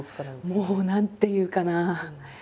もう何ていうかな。